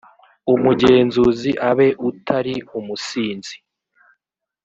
umugenzuzi abe utari umusinzi